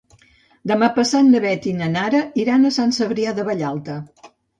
Demà passat na Beth i na Nara iran a Sant Cebrià de Vallalta.